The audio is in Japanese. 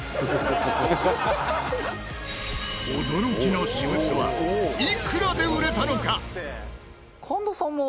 驚きの私物はいくらで売れたのか？